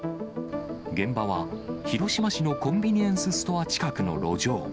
現場は、広島市のコンビニエンスストア近くの路上。